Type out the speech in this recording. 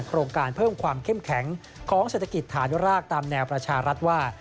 โครงการเพิ่มความเข้มแข็งของเศรษฐกิจฐานุรากตามแนวประชารัฐว่า